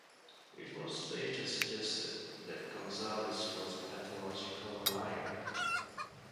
It was later suggested that Gonzales was a pathological liar.